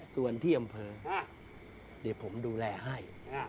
ส่วนที่อำเภอเดี๋ยวผมดูแลให้